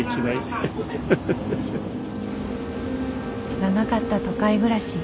長かった都会暮らし。